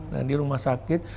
nah di rumah sakit